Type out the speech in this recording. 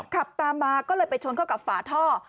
ขับตามมาก็เลยไปชนเข้ากับฝาท่อ